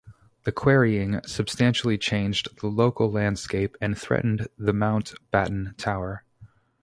The quarrying substantially changed the local landscape and threatened the Mount Batten Tower.